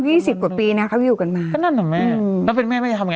ยี่สิบกว่าปีน่ะเขาอยู่กันมาอืมแล้วเป็นแม่ไม่ทำเงง